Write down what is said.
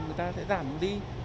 người ta sẽ giảm đi